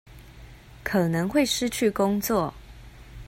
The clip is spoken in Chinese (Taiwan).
可能會失去工作